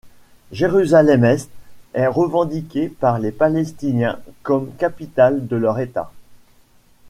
Jérusalem-Est est revendiquée par les Palestiniens comme capitale de leur État.